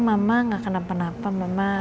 mama gak kena apa apa